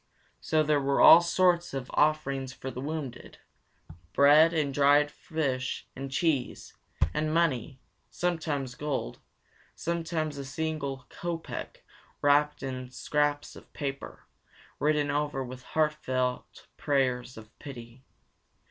So there were all sorts of offerings for the wounded; bread and dried fish and cheese; and money, sometimes gold, sometimes a single kopek wrapped in scraps of paper, written over with heartfelt prayers of pity.